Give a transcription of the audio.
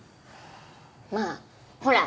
まあほら。